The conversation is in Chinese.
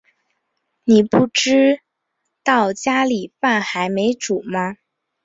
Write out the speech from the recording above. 妳不知道家里饭还没煮吗